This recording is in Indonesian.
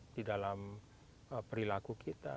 di dalam perilaku kita